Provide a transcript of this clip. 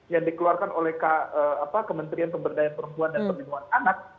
yang dikeluarkan oleh kementerian pemberdayaan perempuan dan perlindungan anak